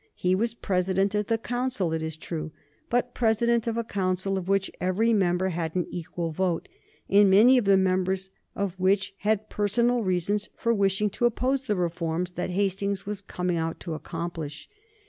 He was President of the Council, it is true, but president of a council of which every member had an equal vote, and many of the members of which had personal reasons for wishing to oppose the reforms that Hastings was coming out to accomplish.